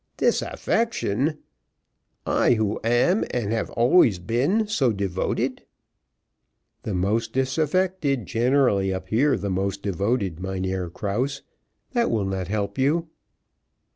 "Disaffection! I who am and have always been so devoted." "The most disaffected generally appear the most devoted, Mynheer Krause, that will not help you."